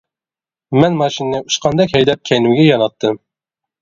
مەن ماشىنىنى ئۇچقاندەك ھەيدەپ كەينىمگە ياناتتىم.